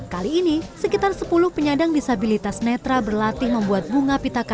kali ini sekitar sepuluh penyandang disabilitas netra berlatih membuat bunga pitaka